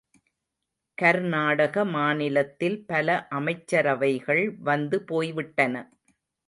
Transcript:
கர்நாடக மாநிலத்தில் பல அமைச்சரவைகள் வந்து போய்விட்டன.